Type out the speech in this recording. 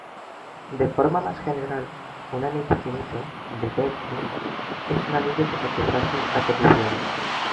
De forma más general, un anillo finito-Dedekind es un anillo que satisface esta condición.